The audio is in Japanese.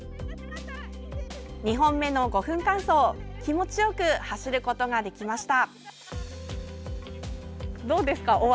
２本目の５分間走気持ちよく走ることができました。